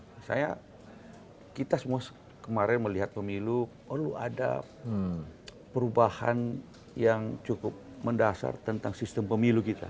menurut saya kita semua kemarin melihat pemilu perlu ada perubahan yang cukup mendasar tentang sistem pemilu kita